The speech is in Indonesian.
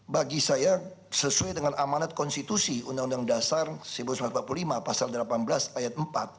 bagi saya sesuai dengan amanat konstitusi undang undang dasar seribu sembilan ratus empat puluh lima pasal delapan belas ayat empat